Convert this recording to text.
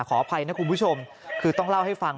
ขออภัยนะคุณผู้ชมคือต้องเล่าให้ฟัง